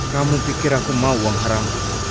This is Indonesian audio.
kamu pikir aku mau uang haram